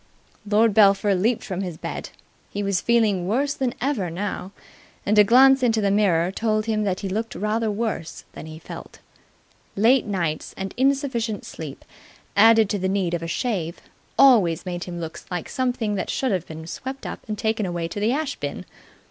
Lord Belpher leaped from his bed. He was feeling worse than ever now, and a glance into the mirror told him that he looked rather worse than he felt. Late nights and insufficient sleep, added to the need of a shave, always made him look like something that should have been swept up and taken away to the ash bin.